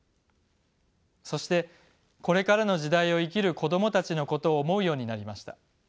そしてこれからの時代を生きる子どもたちのことを思うようになりました。